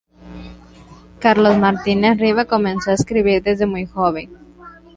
Carlos Martínez Rivas comenzó a escribir desde muy joven.